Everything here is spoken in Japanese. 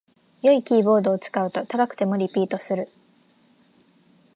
良いキーボードを使うと高くてもリピートする